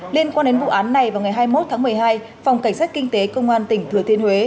liên quan đến vụ án này vào ngày hai mươi một tháng một mươi hai phòng cảnh sát kinh tế công an tỉnh thừa thiên huế